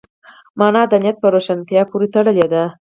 مانا د نیت په روښانتیا پورې تړلې ده.